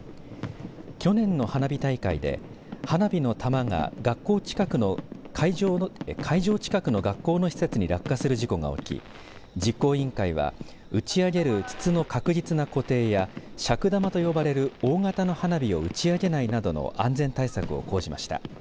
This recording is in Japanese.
去年の花火大会で花火の玉が学校近くの会場近くの学校の施設に落下する事故が起き実行委員会は打ち上げる筒の確実な固定や尺玉と呼ばれる大型の花火を打ち上げないなどの安全対策を講じました。